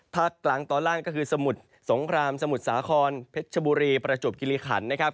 ภาคกลางตอนล่างก็คือสมุทรสงครามสมุทรสาครเพชรชบุรีประจวบคิริขันนะครับ